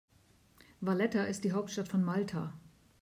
Valletta ist die Hauptstadt von Malta.